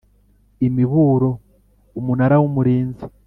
imiburo Umunara w Umurinzi